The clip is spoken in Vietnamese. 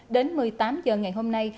đến một mươi tám h ngày hôm nay